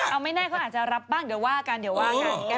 เอาไม่แน่เขาอาจจะรับบ้างเดี๋ยวว่ากันเดี๋ยวว่ากัน